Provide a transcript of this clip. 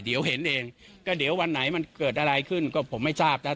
เดี๋ยวเห็นเองก็เดี๋ยววันไหนมันเกิดอะไรขึ้นก็ผมไม่ทราบนะ